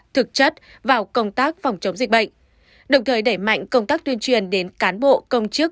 thực chất vào công tác phòng chống dịch bệnh đồng thời đẩy mạnh công tác tuyên truyền đến cán bộ công chức